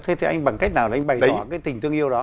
thế thì anh bằng cách nào anh bày tỏ tình tương yêu đó